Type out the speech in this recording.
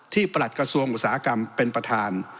ประหลัดกระทรวงอุตสาหกรรมเป็นประธาน